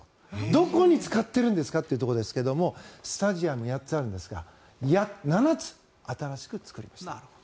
どこに使ってるんですかってところですがスタジアム８つあるんですが７つ新しく作りました。